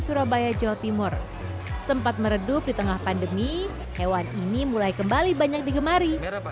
surabaya jawa timur sempat meredup di tengah pandemi hewan ini mulai kembali banyak digemari